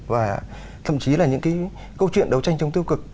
và thậm chí là những cái câu chuyện đấu tranh chống tiêu cực